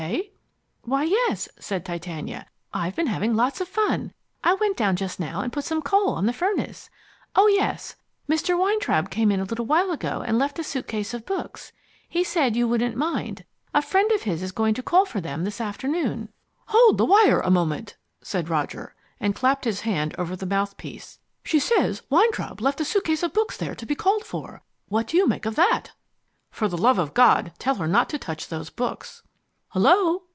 K.?" "Why, yes," said Titania. "I've been having lots of fun. I went down just now and put some coal on the furnace. Oh, yes. Mr. Weintraub came in a little while ago and left a suitcase of books. He said you wouldn't mind. A friend of his is going to call for them this afternoon." "Hold the wire a moment," said Roger, and clapped his hand over the mouthpiece. "She says Weintraub left a suitcase of books there to be called for. What do you make of that?" "For the love of God, tell her not to touch those books." "Hullo?"